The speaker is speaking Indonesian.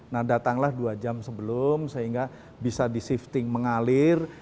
nah datanglah dua jam sebelum sehingga bisa di shifting mengalir